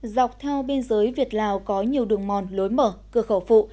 dọc theo biên giới việt lào có nhiều đường mòn lối mở cửa khẩu phụ